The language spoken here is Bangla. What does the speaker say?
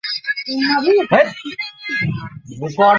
প্রেম, জ্ঞান ও অস্তিত্ব পুরুষের গুণ নয়, ঐগুলি তাঁহার স্বরূপ।